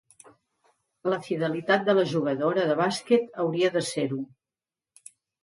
La fidelitat de la jugadora de bàsquet hauria de ser-ho.